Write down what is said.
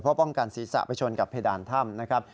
เพราะป้องกันศีรษะไปชนกับเพดานถ้ำนะครับ